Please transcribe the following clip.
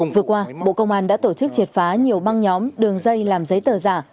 vừa qua bộ công an đã tổ chức triệt phá nhiều băng nhóm đường dây làm giấy tờ giả